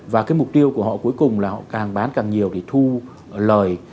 và cái mục tiêu của họ cuối cùng là họ càng bán càng nhiều để thu lời